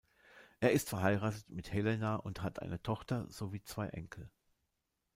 Er ist verheiratet mit Helena und hat eine Tochter, sowie zwei Enkel.